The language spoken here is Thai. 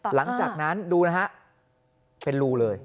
หลังจากนั้นดูนะฮะเป็นรูเลย